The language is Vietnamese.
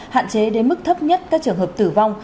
hạn chế đến mức thấp nhất các trường hợp tử vong